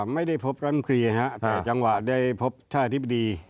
ไม่ได้พบกันเพลียครับแต่จังหวะได้พบท่าอธิบดี